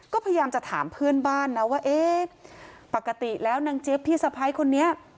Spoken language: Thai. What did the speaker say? ก็พยายามจะถามเพื่อนบ้านนะว่าเอ๊ะปกติแล้วนางเจี๊ยบพี่สะพ้ายคนนี้